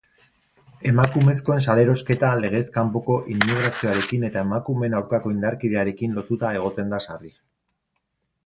Emakumezkoen salerosketa legez kanpoko immigrazioarekin eta emakumeen aurkako indarkeriarekin lotuta egoten da sarri.